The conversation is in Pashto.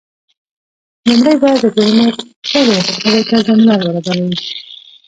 لومړی باید د ټولنې ټولو غړو ته زمینه برابره وي.